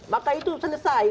maka itu selesai